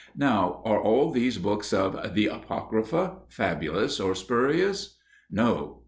Now, are all these books of "the Apocrypha" fabulous or spurious? No.